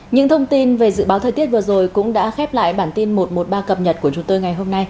những thông tin về dự báo thời tiết vừa rồi cũng đã khép lại bản tin một trăm một mươi ba cập nhật của chúng tôi ngày hôm nay